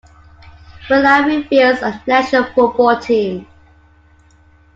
Malawi fields a national football team.